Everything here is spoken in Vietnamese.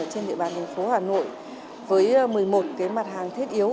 trên địa bàn thành phố hà nội với một mươi một mặt hàng thiết yếu